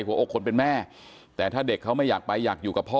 หัวอกคนเป็นแม่แต่ถ้าเด็กเขาไม่อยากไปอยากอยู่กับพ่อ